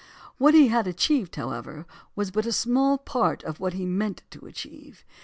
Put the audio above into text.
What he had achieved, however, was but a small part of what he meant to achieve.